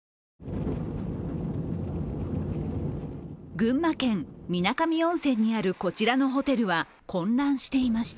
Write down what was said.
群馬県・水上温泉にあるこちらのホテルは混乱していました。